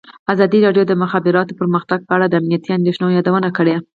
ازادي راډیو د د مخابراتو پرمختګ په اړه د امنیتي اندېښنو یادونه کړې.